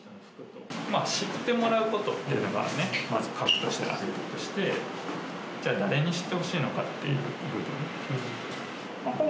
知ってもらうことっていうのが、まず核としてあるとして、じゃあ、誰に知ってほしいのかっていう部分。